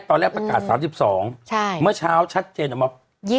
ประกาศ๓๒เมื่อเช้าชัดเจนออกมา